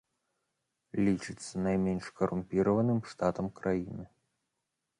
Лічыцца найменш карумпіраваным штатам краіны.